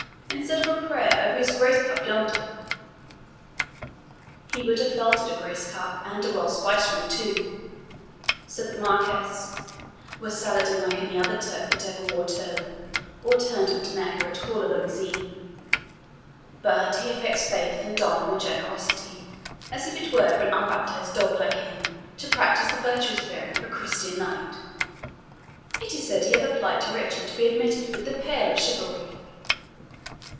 instead of a prayer, over his grace cup yonder." "He would have felt it a grace cup, and a well spiced one too," said the Marquis, "were Saladin like any other Turk that ever wore turban, or turned him to Mecca at call of the muezzin. But he affects faith, and honour, and generosity, as if it were for an unbaptized dog like him to practise the virtuous bearing of a Christian knight. It is said he hath applied to Richard to be admitted within the pale of chivalry."